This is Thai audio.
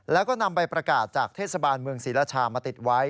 แล้วก็นำใบประกาศจากเทศบาลเมืองศรีราชามาติดไว้